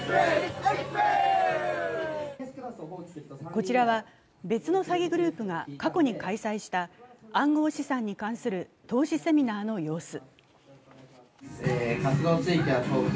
こちらは別の詐欺グループが過去に開催した暗号資産に関する投資セミナーの様子。